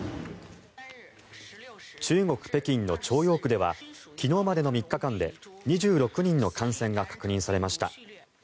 中国・北京の朝陽区では昨日までの３日間で２６人の感染が確認されました。